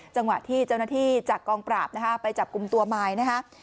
จังหวะที่เจ้าหน้าที่จากกองปราบนะฮะไปจับกลุ่มตัวมายนะคะ